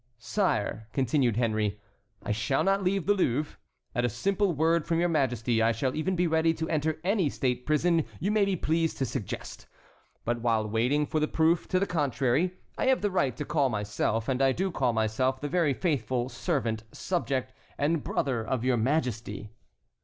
"Sire," continued Henry, "I shall not leave the Louvre. At a simple word from your Majesty I shall even be ready to enter any state prison you may be pleased to suggest. But while waiting for the proof to the contrary I have the right to call myself and I do call myself the very faithful servant, subject, and brother of your Majesty."